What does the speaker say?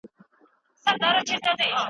که ته زیار وباسې نو په امتحان کې به بریالی شې.